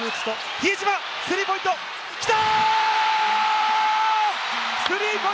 比江島、スリーポイント、きた！